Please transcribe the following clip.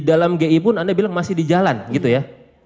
dalam gi pun anda bilang masih di jalan gitu ya